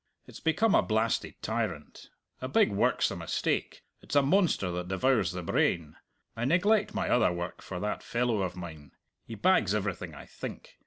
It's become a blasted tyrant. A big work's a mistake; it's a monster that devours the brain. I neglect my other work for that fellow of mine; he bags everything I think.